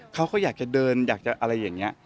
เขาก็อยากจะเดินอยากจะอะไรอย่างนี้